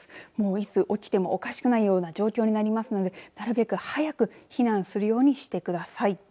いつ起きてもおかしくないような状況になりますのでなるべく早く避難するようにしてください。